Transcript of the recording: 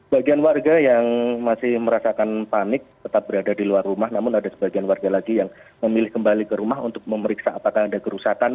bagian warga yang masih merasakan panik tetap berada di luar rumah namun ada sebagian warga lagi yang memilih kembali ke rumah untuk memeriksa apakah ada kerusakan